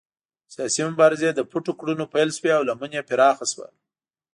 سیاسي مبارزې له پټو کړنو پیل شوې او لمن یې پراخه شوه.